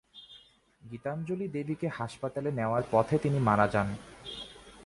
গীতাঞ্জলি দেবীকে হাসপাতালে নেওয়ার পথে তিনি মারা যান।